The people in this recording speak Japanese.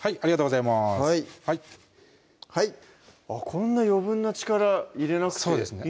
こんな余分な力入れなくてそうですね